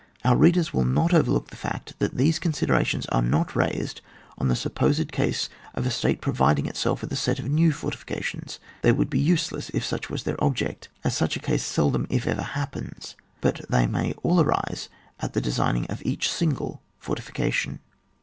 Our reader will not overlook the fact that these considerations are not raised on the supposed case of a state providing itself with a set of new fortifications; they would be useless if such was their object, as such a case seldom, if ever, happens ; but they may all arise at the designing of each single fortification.